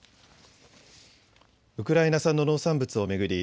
ウクライナ産の農産物を巡り